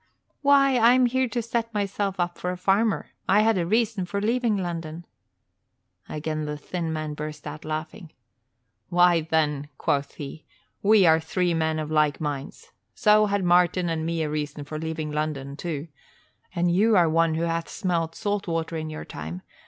"Why, I am here to set myself up for a farmer. I had a reason for leaving London " Again the thin man burst out laughing. "Why, then," quoth he, "we are three men of like minds. So had Martin and I a reason for leaving London, too. And you are one who hath smelt salt water in your time.